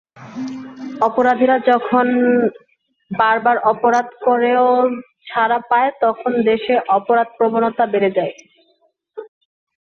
অপরাধীরা যখন বারবার অপরাধ করেও ছাড়া পায়, তখন দেশে অপরাধপ্রবণতা বেড়ে যায়।